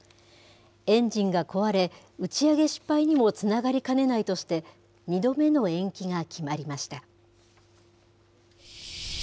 エンジンが壊れ、打ち上げ失敗にもつながりかねないとして、２度目の延期が決まりました。